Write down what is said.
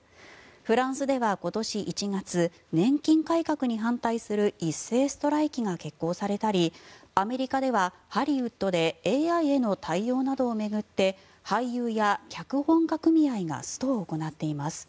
フランスでは今年１月年金改革に反対する一斉ストライキが決行されたりアメリカではハリウッドでＡＩへの対応などを巡って俳優や脚本家組合がストを行っています。